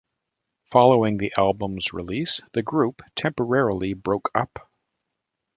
Following the album's release, the group temporarily broke up.